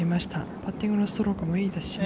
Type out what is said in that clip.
パッティングのストロークもいいですしね。